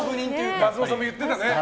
松本さんも言ってたね。